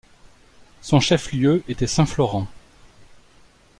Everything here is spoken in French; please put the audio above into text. Son chef-lieu était Saint-Florent.